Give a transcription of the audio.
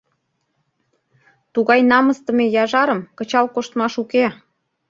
Тугай намысдыме яжарым кычал коштмаш уке!